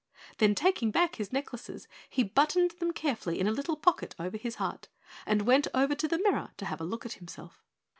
Then, taking back his necklaces, he buttoned them carefully in a little pocket over his heart and went over to the mirror to have a look at himself.